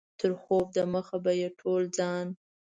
تر خوب دمخه به یې ټول ځان.